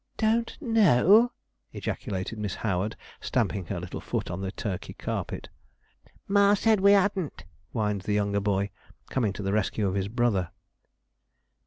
'Don't know!' ejaculated Miss Howard, stamping her little foot on the Turkey carpet. 'Mar said we hadn't,' whined the younger boy, coming to the rescue of his brother.